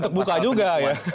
untuk buka juga ya